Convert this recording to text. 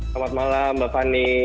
selamat malam mbak fani